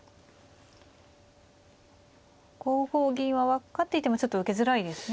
５五銀は分かっていてもちょっと受けづらいですね。